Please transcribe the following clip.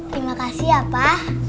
terima kasih ya pak